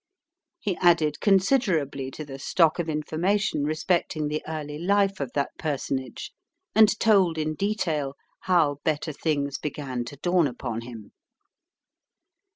He added considerably to the stock of information respecting the early life of that personage, and told in detail how better things began to dawn upon him.